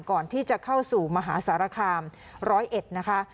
ก่อนที่จะเข้าสู่มหาสารคาม๑๐๑นะคะ